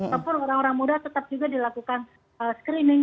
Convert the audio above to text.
walaupun orang orang muda tetap juga dilakukan screening